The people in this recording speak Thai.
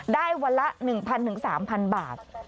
ได้วันละ๑๐๐๐๓๐๐๐บาท